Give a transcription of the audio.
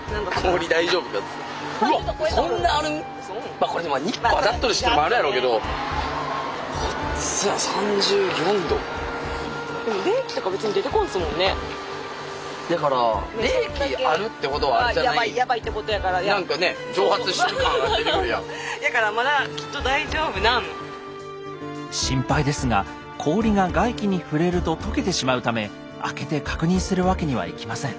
まあこれでも日光当たっとるしっていうのもあるやろうけど心配ですが氷が外気に触れると解けてしまうため開けて確認するわけにはいきません。